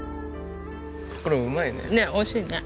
これうまいね。